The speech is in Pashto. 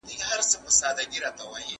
زه کتابونه نه ليکم